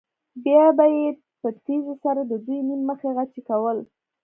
بیا به یې په تېزۍ سره د دوی نیم مخي غچي کول.